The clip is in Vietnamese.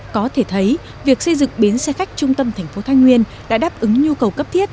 có thể thấy việc xây dựng bến xe khách trung tâm thành phố thái nguyên đã đáp ứng nhu cầu cấp thiết